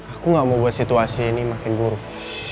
aku gak mau buat situasi ini makin buruk